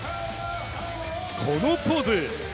このポーズ。